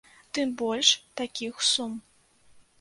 Тым больш, такіх сум.